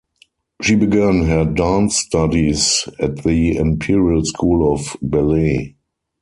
She began her dance studies at the Imperial School of Ballet.